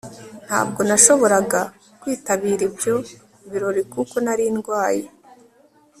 Ntabwo nashoboraga kwitabira ibyo birori kuko nari ndwaye